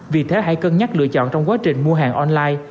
vì thế hãy cân nhắc lựa chọn trong quá trình mua hàng online